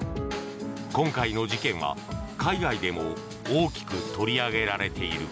今回の事件は、海外でも大きく取り上げられている。